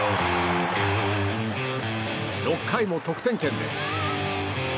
６回も得点圏で。